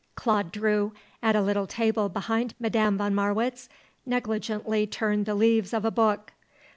Claude Drew, at a little table behind Madame von Marwitz, negligently turned the leaves of a book.